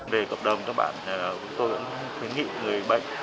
về cộng đồng các bạn chúng tôi cũng khuyến nghị người bệnh